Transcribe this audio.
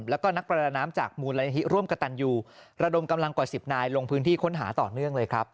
แล้วก็นักประดาน้ำจากมูลนิธิร่วมกระตันยูระดมกำลังกว่า๑๐นายลงพื้นที่ค้นหาต่อเนื่องเลยครับ